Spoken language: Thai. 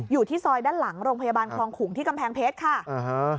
อยู่ที่ซอยด้านหลังโรงพยาบาลคลองขุงที่กำแพงเพชรค่ะอ่าฮะ